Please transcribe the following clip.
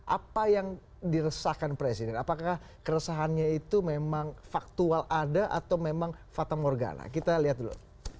apa yang diresahkan presiden apakah keresahannya itu memang faktual ada atau memang fata morgana kita lihat dulu